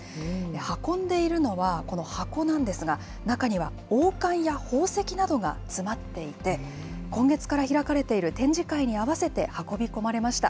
運んでいるのは、この箱なんですが、中には王冠や宝石などが詰まっていて、今月から開かれている展示会に合わせて運び込まれました。